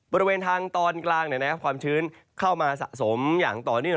บริเวณทางตอนกลางเนี่ยนะครับความชื้นเข้ามาสะสมอย่างตอนนี้